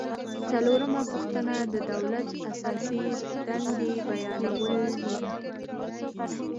څلورمه پوښتنه د دولت اساسي دندې بیانول دي.